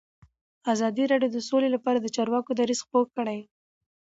ازادي راډیو د سوله لپاره د چارواکو دریځ خپور کړی.